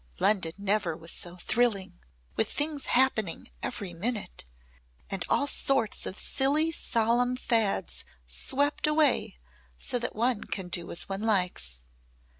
London never was so thrilling with things happening every minute and all sorts of silly solemn fads swept away so that one can do as one likes.